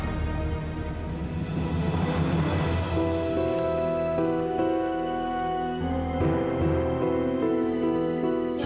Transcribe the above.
ya allah mba lila